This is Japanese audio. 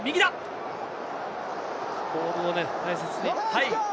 ボールを大切に。